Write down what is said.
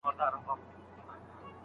ګډ کار د ځانګړي کار کولو په پرتله ښه دی.